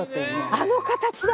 あの形だ！